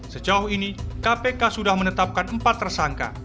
sejauh ini kpk sudah menetapkan empat tersangka